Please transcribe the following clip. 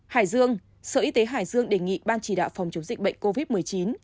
hải dương sở y tế hải dương đề nghị ban chỉ đạo phòng chống dịch bệnh covid một mươi chín